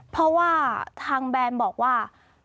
เพราะว่าทางแบรนด์บอกว่า